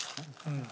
うん。